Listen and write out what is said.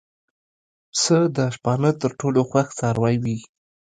پسه د شپانه تر ټولو خوښ څاروی وي.